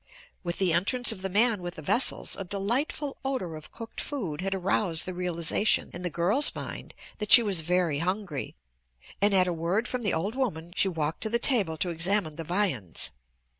With the entrance of the man with the vessels, a delightful odor of cooked food had aroused the realization in the girl's mind that she was very hungry, and at a word from the old woman she walked to the table to examine the viands.